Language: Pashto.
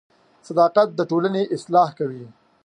• صداقت د ټولنې اصلاح کوي.